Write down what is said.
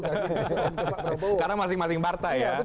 karena masing masing partai ya